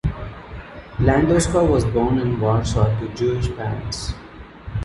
Landowska was born in Warsaw to Jewish parents.